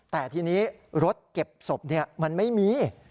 แต่ทีนี้รถเก็บศพมันไม่มี